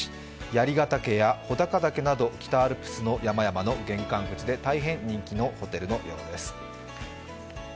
槍ヶ岳や穂高岳など北アルプスの山々の玄関口で大変人気のホテルのようです。